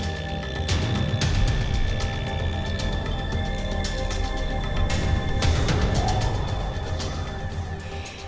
mereka akan mencari tempat untuk mencari tempat untuk mencari tempat untuk mencari tempat untuk mencari tempat